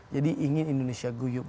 jadi ingin indonesia guyup